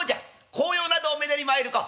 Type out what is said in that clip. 紅葉などをめでに参るか」。